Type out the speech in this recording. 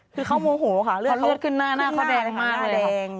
คือเขาโมโหคะเหลือดขึ้นหน้าหน้าเขาแดงมากเลย